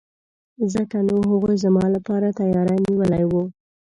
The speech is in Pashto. ځکه نو هغوی زما لپاره تیاری نیولی وو.